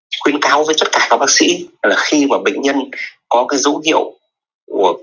tôi khuyên cáo với tất cả các bác sĩ là khi mà bệnh nhân có cái dấu hiệu